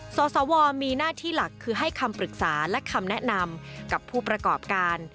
สวมีหน้าที่หลักคือให้คำปรึกษาและคำแนะนำกับผู้ประกอบการ